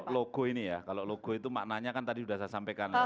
logo ini ya kalau logo itu maknanya kan tadi sudah saya sampaikan